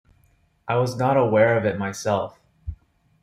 I was not aware of it myself.